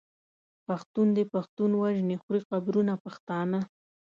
پښتون دی پښتون وژني خوري قبرونه پښتانه